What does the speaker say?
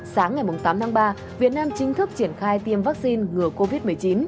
sáng tám ba việt nam chính thức triển khai tiêm vaccine ngừa covid một mươi chín